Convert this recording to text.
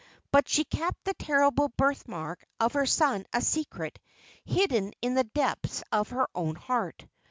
But she kept the terrible birth¬ mark of her son a secret hidden in the depths of her own heart.